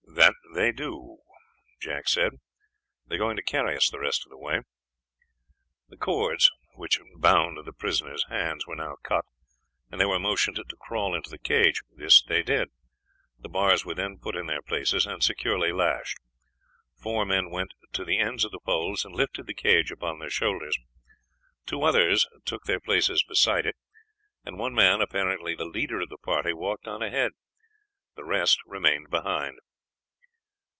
"That they do," Jack said. "They are going to carry us the rest of the way." The cords which bound the prisoners' hands were now cut, and they were motioned to crawl into the cage. This they did; the bars were then put in their places and securely lashed. Four men went to the ends of the poles and lifted the cage upon their shoulders; two others took their places beside it, and one man, apparently the leader of the party, walked on ahead; the rest remained behind.